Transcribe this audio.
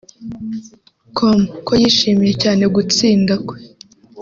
com ko yishimiye cyane gutsinda kwe